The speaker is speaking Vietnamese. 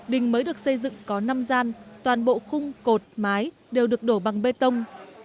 đình mới được xây dựng có năm gian toàn bộ khung cột mái đều được đổ bằng bê tông